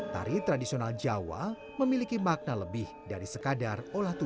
tari tradisional jawa memiliki makna lebih dari sekadar olah tubuh